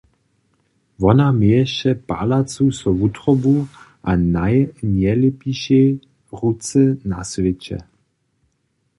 Wona měješe palacu so wutrobu a najnjelepišej ruce na swěće.